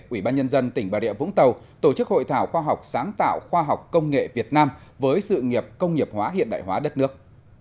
ủy ban nhân dân tỉnh bà địa vũng tàu tổ chức hội thảo khoa học sáng tạo khoa học công nghệ việt nam với sự nghiệp công nghiệp hóa hiện đại hóa đất nước